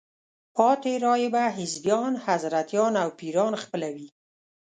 پاتې رایې به حزبیان، حضرتیان او پیران خپلوي.